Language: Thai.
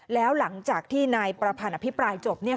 แล้วหลังจากที่นายประพันธ์อภิปรายจบ